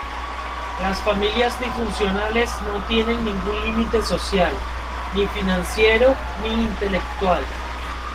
Las familias disfuncionales no tienen ningún límite social, ni financiero, ni intelectual.